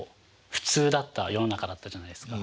普通だった世の中だったじゃないですか。